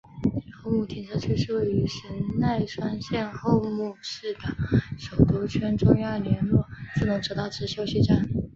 厚木停车区是位于神奈川县厚木市的首都圈中央连络自动车道之休息站。